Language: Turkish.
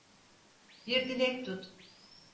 Bir dilek tut.